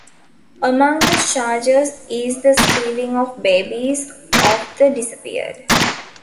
Among the charges is the stealing of babies of the disappeared.